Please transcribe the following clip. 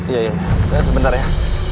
iya iya sebentar ya